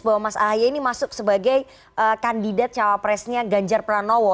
bahwa mas ahy ini masuk sebagai kandidat cawapresnya ganjar pranowo